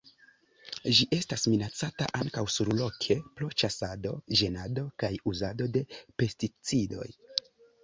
Ĝi estas minacata ankaŭ surloke pro ĉasado, ĝenado kaj uzado de pesticidoj.